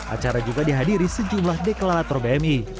acara juga dihadiri sejumlah deklarator bmi